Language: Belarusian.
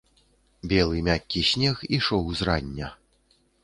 Белы, мяккі снег ішоў з рання.